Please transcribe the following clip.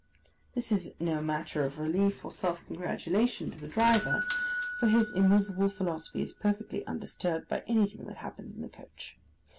This is no matter of relief or self congratulation to the driver, for his immovable philosophy is perfectly undisturbed by anything that happens in the coach.